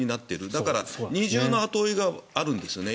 だから二重の後追いがあるんですよね。